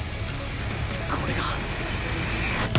これが